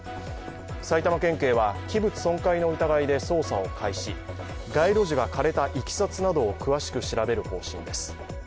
埼玉県警は器物損壊の疑いで捜査を開始街路樹が枯れたいきさつなどを詳しく調べる方針です。